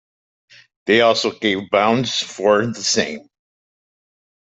They also gave bounds for the same.